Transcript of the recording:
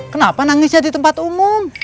kenapa nangisnya di tempat umum